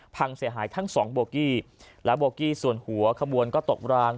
พังเสียหายทั้งสองโบกี้และโบกี้ส่วนหัวขบวนก็ตกราง